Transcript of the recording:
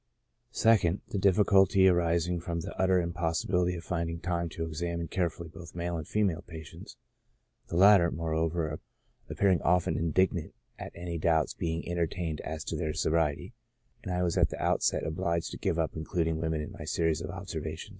2nd. The difficulty arising from the utter impossibility of finding time to examine carefully both male and female patients, the latter, moreover, appearing often indignant at any doubts being entertained as to their sobriety, and I was at the outset obliged to give up including women in my series of observations.